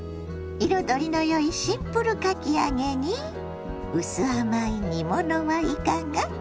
彩りのよいシンプルかき揚げにうす甘い煮物はいかが。